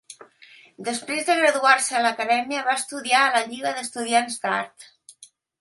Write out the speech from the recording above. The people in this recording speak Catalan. Després de graduar-se a l'acadèmia va estudiar a la Lliga d'Estudiants d'Art.